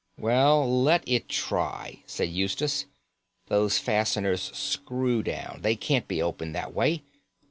"Well, let it try," said Eustace. "Those fasteners screw down; they can't be opened that way.